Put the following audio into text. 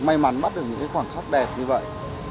may mắn bắt được những cái khoảng khắc đẹp như vậy